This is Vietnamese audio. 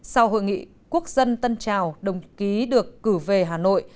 sau hội nghị quốc dân tân trào đồng chí được cử về hà nội